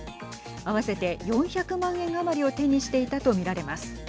合わせて４００万円余りを手にしていたと見られます。